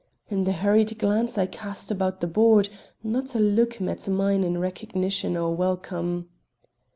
In the hurried glance I cast about the board, not a look met mine in recognition or welcome.